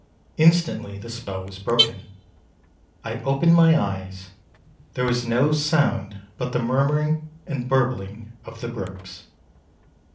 Instantly the spell was broken. I opened my eyes; there was no sound but the murmuring and burbling of the brooks.